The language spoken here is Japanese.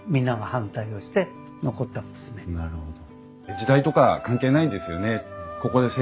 時代とか関係ないんですよね。